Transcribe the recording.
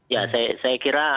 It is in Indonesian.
ya saya kira kita tidak tidak